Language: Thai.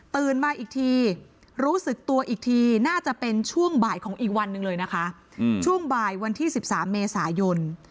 มาอีกทีรู้สึกตัวอีกทีน่าจะเป็นช่วงบ่ายของอีกวันหนึ่งเลยนะคะช่วงบ่ายวันที่๑๓เมษายน